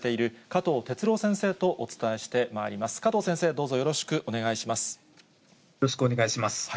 加藤先生、よろしくお願いします。